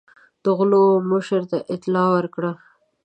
د غلو مشر ته اطلاع ورکړه.